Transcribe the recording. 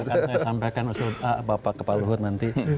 saya akan sampaikan usul pak bapak pak luhut nanti